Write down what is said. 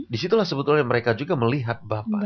disitulah sebetulnya mereka juga melihat bapak